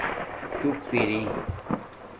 چُپ اری